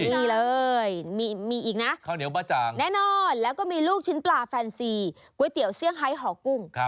นี่เลยมีอีกนะแน่นอนแล้วก็มีลูกชิ้นปลาแฟนซีก๋วยเตี๋ยวเสี้ยงไฮท์หอกุ้ง